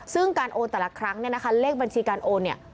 ซึ่งการโอนแต่ละครั้งเนี่ยนะคะเลขบัญชีการโอนเนี่ย